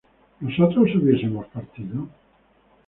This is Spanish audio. ¿nosotros hubiésemos partido?